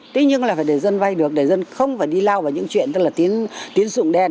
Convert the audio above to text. tuy nhiên là phải để dân vay được để dân không phải đi lao vào những chuyện tức là tiến dụng đèn